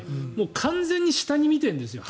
完全に下に見てるんですよ。